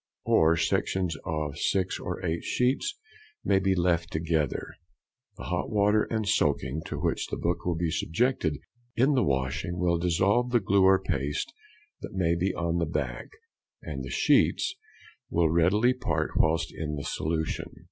or sections of six or eight sheets may be left together; the hot water and soaking to which the book will be subjected in the washing will dissolve the glue or paste that may be on the back, and the sheets will readily part whilst in the solution.